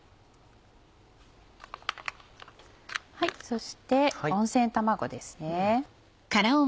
そして温泉卵ですね。